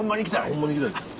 ホンマに行きたいです。